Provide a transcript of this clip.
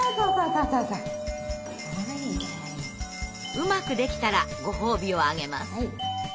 うまくできたらご褒美をあげます。